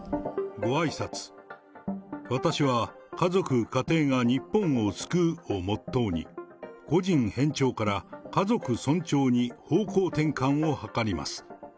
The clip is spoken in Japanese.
ごあいさつ、私は家族、家庭が日本を救うをモットーに、個人偏重から、家族尊重に方向転換を図ります。